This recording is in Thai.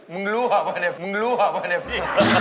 มึงรู้หรือเปล่าเนี่ยมึงรู้หรือเปล่าเนี่ยพี่